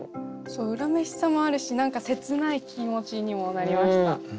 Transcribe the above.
恨めしさもあるし何か切ない気持ちにもなりました。